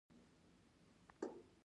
نړۍ پرمختګ کوي